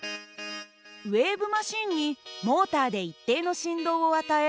ウエーブマシンにモーターで一定の振動を与え